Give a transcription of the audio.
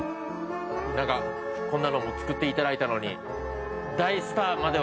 なんかこんなのも作って頂いたのに。